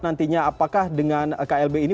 nantinya apakah dengan klb ini